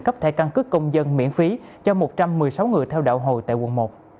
cấp thẻ căn cước công dân miễn phí cho một trăm một mươi sáu người theo đạo hồi tại quận một